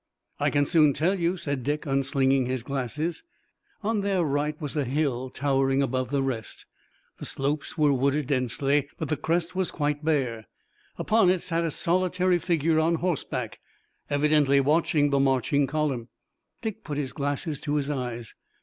"I can soon tell you," said Dick, unslinging his glasses. On their right was a hill towering above the rest. The slopes were wooded densely, but the crest was quite bare. Upon it sat a solitary figure on horseback, evidently watching the marching column. Dick put his glasses to his eyes.